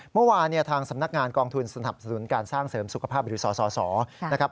เมื่อวานทางสำนักงานกองทุนสนับสนุนการสร้างเสริมสุขภาพบริษฐภาพ